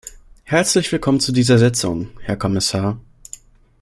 Herzlich willkommen zu dieser Sitzung, Herr Kommissar!